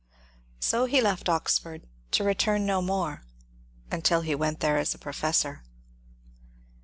So he left Oxford to return no more until he went there as a professor.